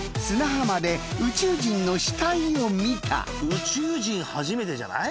宇宙人初めてじゃない？